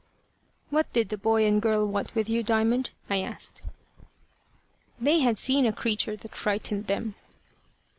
"What did the boy and girl want with you, Diamond?" I asked. "They had seen a creature that frightened them."